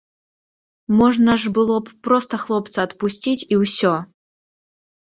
Можна ж было б проста хлопца адпусціць, і ўсё.